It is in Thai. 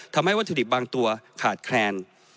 ทำให้วัตถุดิบบางตัวขาดแคลน